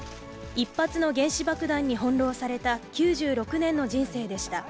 一発の原子爆弾に翻弄された９６年の人生でした。